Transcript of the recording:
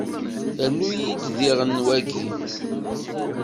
Rnu-iyi-d diɣen wagi.